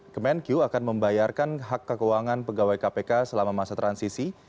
kemenq akan membayarkan hak kekeuangan pegawai kpk selama masa transisi